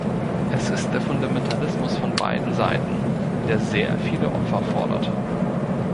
Es ist der Fundamentalismus von beiden Seiten, der sehr viele Opfer fordert.